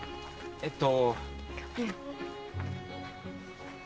えっと。